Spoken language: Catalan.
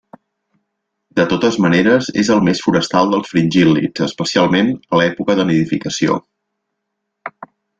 De totes maneres és el més forestal dels fringíl·lids, especialment a l'època de nidificació.